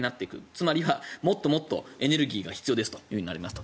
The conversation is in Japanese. つまり、もっともっとエネルギーが必要ですとなりますと。